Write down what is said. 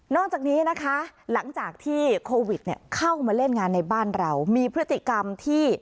จากนี้นะคะหลังจากที่โควิดเข้ามาเล่นงานในบ้านเรามีพฤติกรรมที่